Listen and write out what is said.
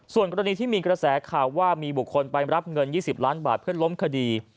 ส่วนกรณีที่มีกระแสข่าวว่ามีบุคคลไปรับเงิน๒๐ล้านบาทเพื่อล้มคดี